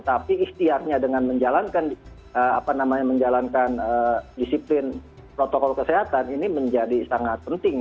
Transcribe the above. tapi ikhtiarnya dengan menjalankan disiplin protokol kesehatan ini menjadi sangat penting